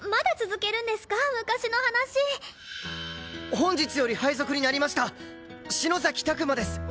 本日より配属になりました篠崎拓馬です。